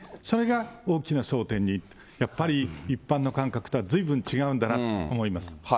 それが大きな争点に、やっぱり一般の感覚とはずいぶん違うんだな